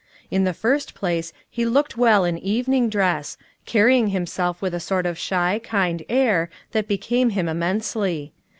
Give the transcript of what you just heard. In the first place he looked well in evening dress, carrying himself with a sort of shy, kind air that became him immensely.